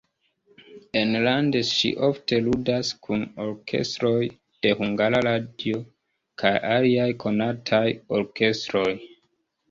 Enlande ŝi ofte ludas kun orkestroj de Hungara Radio kaj aliaj konataj orkestroj.